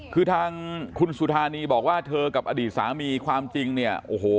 คือทางคุณสุธานีบอกว่าเธอกับอดีตสามีความจริงเนี่ยโอ้โห